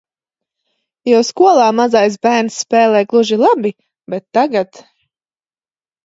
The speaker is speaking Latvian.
Jo skolā mazais bērns spēlē gluži labi, bet tagad...